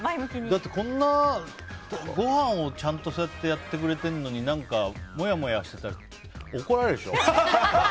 だって、ごはんをちゃんとそうやってやってくれてるのに何か、もやもやしてたら怒られるでしょ？